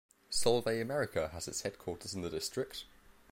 Solvay America has its headquarters in the district.